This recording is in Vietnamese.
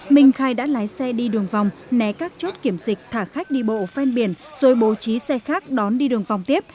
minh khai đã lái xe đi đường vòng né các chốt kiểm dịch thả khách đi bộ ven biển rồi bố trí xe khác đón đi đường vòng tiếp